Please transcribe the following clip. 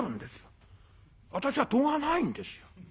私は「十」がないんですよ。